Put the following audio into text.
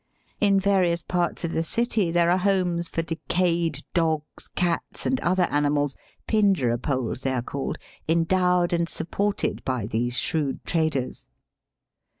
In various parts of the city there are homes for decayed dogs, cats, and other animals — pinjrapoles they are called — endowed and supported by these shrewd traders.